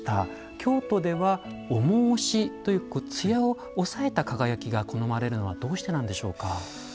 京都では重押しという艶を抑えた輝きが好まれるのはどうしてなんでしょうか？